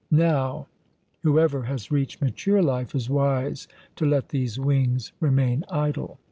Now Whoever has reached mature life is wise to let these wings remain idle.